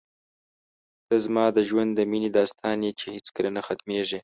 ته زما د ژوند د مینې داستان یې چې هېڅکله نه ختمېږي.